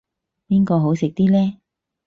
邊個好食啲呢